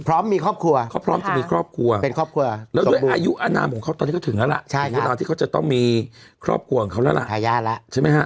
พร้อมมีครอบครัวเขาพร้อมจะมีครอบครัวเป็นครอบครัวแล้วด้วยอายุอนามของเขาตอนนี้ก็ถึงแล้วล่ะถึงเวลาที่เขาจะต้องมีครอบครัวของเขาแล้วล่ะทายาทแล้วใช่ไหมฮะ